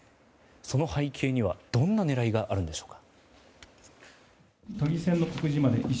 その背景にはどんな狙いがあるんでしょうか。